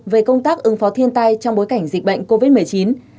về công tác ứng phó thiên tai trong bối cảnh dịch bệnh covid một mươi chín